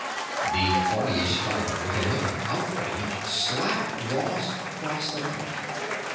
The fortyish fellow, with a look of outrage, slapped Ross across the mouth.